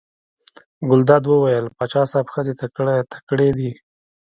ګلداد وویل: پاچا صاحب ښځې تکړې دي.